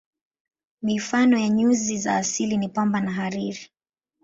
Mifano ya nyuzi za asili ni pamba na hariri.